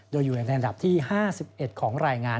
โดยอยู่ในอันดับที่๕๑ของรายงาน